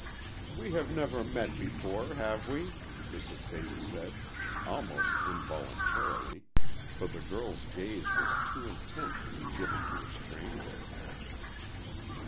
"We have never met before, have we?" Mrs. Bates said,—almost involuntarily, for the girl's gaze was too intent to be given to a stranger.